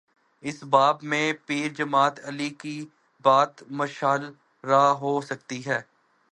اس باب میں پیر جماعت علی کی بات مشعل راہ ہو سکتی ہے۔